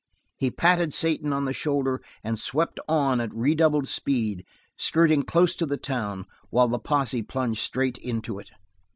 He patted Satan on the shoulder and swept on at redoubled speed, skirting close to the town, while the posse plunged straight into it.